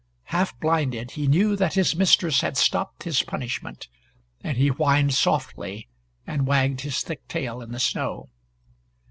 Half blinded, he knew that his mistress had stopped his punishment, and he whined softly, and wagged his thick tail in the snow.